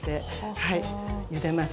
はい。